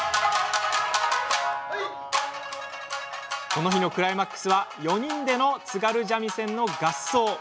この日のクライマックスは４人での津軽三味線の合奏。